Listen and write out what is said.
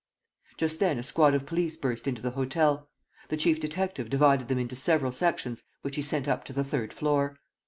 Just then a squad of police burst into the hotel. The chief detective divided them into several sections which he sent up to the third floor.